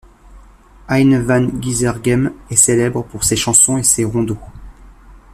Hayne van Ghizeghem est célèbre pour ses chansons et ses rondeaux.